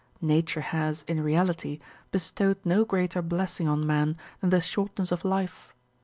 I^ature has, in realit)', bestowed no greater blessing on man than the shortness of life.